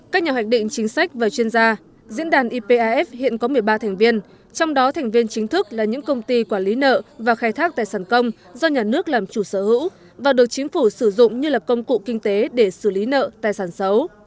các nhà hoạch định chính sách và chuyên gia diễn đàn ipaf hiện có một mươi ba thành viên trong đó thành viên chính thức là những công ty quản lý nợ và khai thác tài sản công do nhà nước làm chủ sở hữu và được chính phủ sử dụng như là công cụ kinh tế để xử lý nợ tài sản xấu